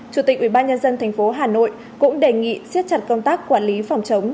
chủ tịch ubnd tp hà nội cũng đề nghị siết chặt công tác quản lý phòng chống